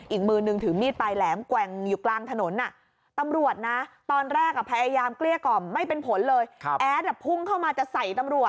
อีกมือหนึ่งถือมีดปลายแหลม